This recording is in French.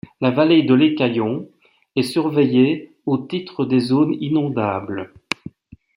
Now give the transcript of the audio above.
La vallée de l'Écaillon est surveillée au titre des zones inondables.